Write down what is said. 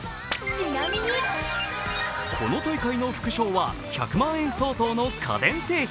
この大会の副賞は１００万円相当の家電製品。